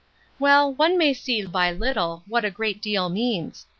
Well, one may see by a little, what a great deal means.